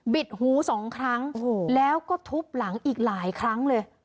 ดหูสองครั้งแล้วก็ทุบหลังอีกหลายครั้งเลย